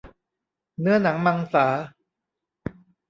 เนื้อหนังมังสา